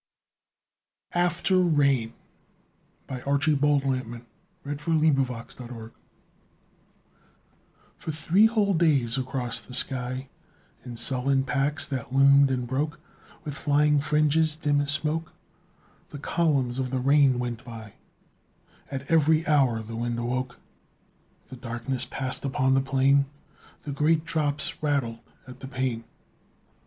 et! so magical! His golden music, ghostly beautiful. AFTER RAIN For three whole days across the sky, In sullen packs that loomed and broke, With flying fringes dim as smoke, The columns of the rain went by; At every hour the wind awoke; The darkness passed upon the plain; The great drops rattled at the pane.